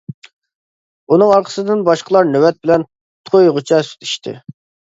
ئۇنىڭ ئارقىسىدىن باشقىلار نۆۋەت بىلەن تويغۇچە سۈت ئىچتى.